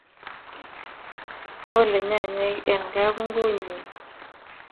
Kole nyanyek eng kabungunyi